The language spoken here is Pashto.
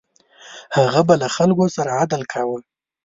هغه به له خلکو سره عدل کاوه.